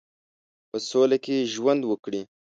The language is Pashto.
په سوله کې ژوند وکړي.